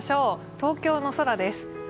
東京の空です。